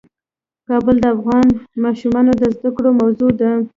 کابل د افغان ماشومانو د زده کړې موضوع ده.